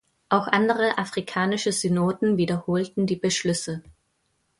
Auch andere afrikanische Synoden wiederholten die Beschlüsse.